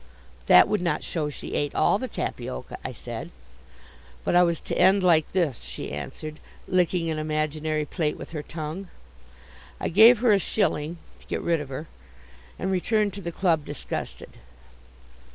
"That would not show she ate all the tapioca," I said. "But I was to end like this," she answered, licking an imaginary plate with her tongue. I gave her a shilling (to get rid of her), and returned to the club disgusted.